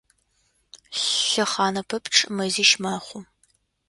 Лъэхъанэ пэпчъ мэзищ мэхъу.